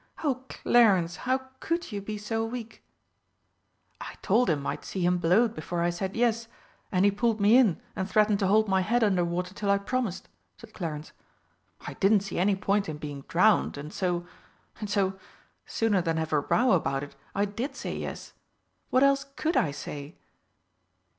Oh, Clarence, how could you be so weak?" "I told him I'd see him blowed before I said yes, and he pulled me in and threatened to hold my head under water till I promised," said Clarence. "I didn't see any point in being drowned and so and so, sooner than have a row about it, I did say yes. What else could I say?"